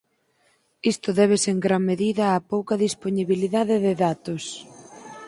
Isto débese en gran medida á pouca dispoñibilidade de datos.